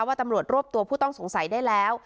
ตำรวจรวบตัวผู้ต้องสงสัยได้แล้ว